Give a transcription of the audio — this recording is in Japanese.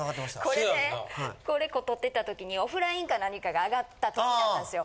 これねこれ撮ってた時にオフラインか何かがあがった時だったんですよ。